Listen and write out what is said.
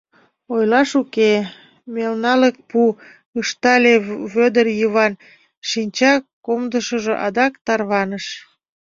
— Ойлаш уке, мелналык пу, — ыштале Вӧдыр Йыван, шинча комдышыжо адак тарваныш.